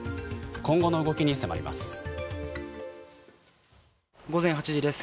今後の動きに迫ります。